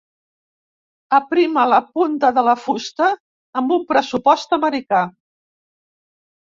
Aprima la punta de la fusta amb un pressupost americà.